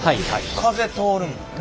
風通るもんね。